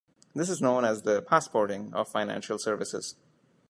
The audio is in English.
This is known as the "passporting" of financial services.